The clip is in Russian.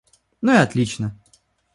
Ну, и отлично.